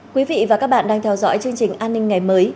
quý vị và các bạn đang theo dõi chương trình an ninh ngày mới